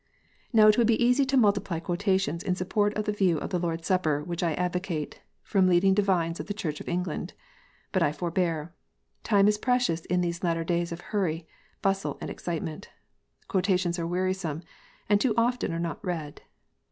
Now it would be easy to multiply quotations in support of the view of the Lord s Supper which I advocate, from leading divines of the Church of England. But I forbear. Time is precious in these latter days of hurry, bustle, and excitement. Quotations are wearisome, and too often are not read.